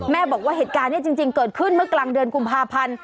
บอกว่าเหตุการณ์นี้จริงเกิดขึ้นเมื่อกลางเดือนกุมภาพันธ์